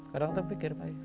kadang terpikir pak